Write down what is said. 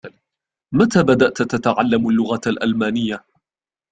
متى بدأت تتعلم اللّغة الألمانية ؟